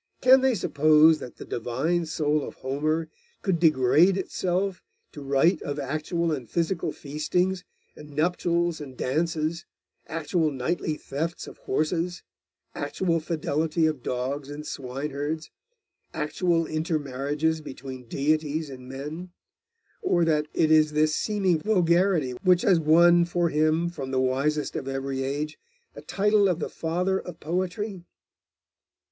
can they suppose that the divine soul of Homer could degrade itself to write of actual and physical feastings, and nuptials, and dances, actual nightly thefts of horses, actual fidelity of dogs and swineherds, actual intermarriages between deities and men, or that it is this seeming vulgarity which has won for him from the wisest of every age the title of the father of poetry?